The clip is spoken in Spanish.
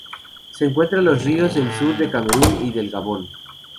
Se encuentra en los ríos del sur del Camerún y del Gabón.